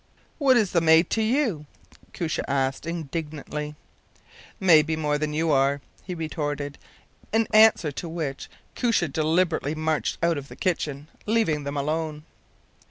“What is the maid to you?” Koosje asked, indignantly. “Maybe more than you are,” he retorted; in answer to which Koosje deliberately marched out of the kitchen, leaving them alone.